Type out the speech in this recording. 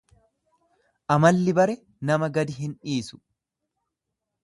Amalli bare nama gadi hin dhiisu.